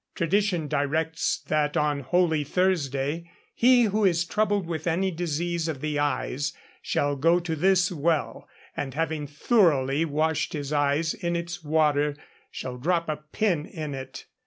Tradition directs that on Holy Thursday he who is troubled with any disease of the eyes shall go to this well, and having thoroughly washed his eyes in its water, shall drop a pin in it.